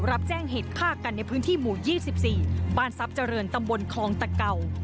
รับแจ้งเหตุฆ่ากันในพื้นที่หมู่๒๔บ้านทรัพย์เจริญตำบลคลองตะเก่า